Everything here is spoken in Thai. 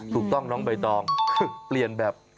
ถูกต้องน้องใบตองคือเปลี่ยนแบบ